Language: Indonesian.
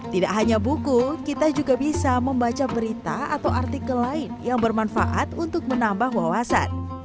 tidak hanya buku kita juga bisa membaca berita atau artikel lain yang bermanfaat untuk menambah wawasan